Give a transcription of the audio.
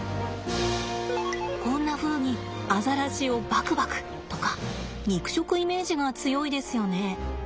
こんなふうにアザラシをバクバクとか肉食イメージが強いですよね。